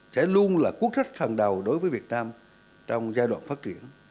sẽ luôn là quốc thất thần đầu đối với việt nam trong giai đoạn phát triển